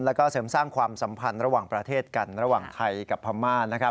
แล้วก็เสริมสร้างความสัมพันธ์ระหว่างประเทศกันระหว่างไทยกับพม่า